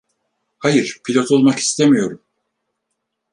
Hayır, pilot olmak istemiyorum.